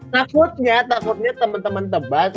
takutnya takutnya temen temen tebas